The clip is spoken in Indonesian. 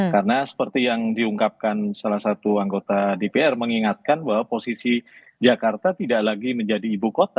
karena seperti yang diungkapkan salah satu anggota dpr mengingatkan bahwa posisi jakarta tidak lagi menjadi ibu